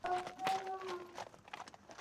تواریخ او اسناد په فارسي ژبه لیکل شوي.